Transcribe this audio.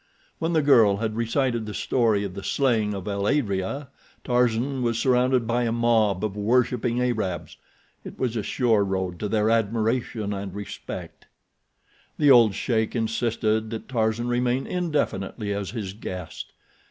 When the girl had recited the story of the slaying of el adrea Tarzan was surrounded by a mob of worshiping Arabs—it was a sure road to their admiration and respect. The old sheik insisted that Tarzan remain indefinitely as his guest.